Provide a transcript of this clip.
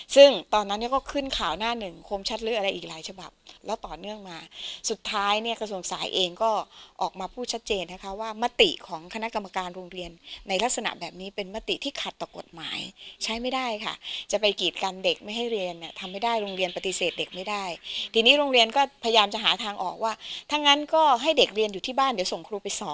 ซึ่งตอนนั้นก็ขึ้นข่าวหน้าหนึ่งคมชัดเลือดอะไรอีกหลายฉบับแล้วต่อเนื่องมาสุดท้ายกระทรวงสายเองก็ออกมาพูดชัดเจนนะคะว่ามติของคณะกรรมการโรงเรียนในลักษณะแบบนี้เป็นมติที่ขัดต่อกฎหมายใช้ไม่ได้ค่ะจะไปกีดกันเด็กไม่ให้เรียนทำไม่ได้โรงเรียนปฏิเสธเด็กไม่ได้ทีนี้โรงเรียนก็พยายามจะหาทางออก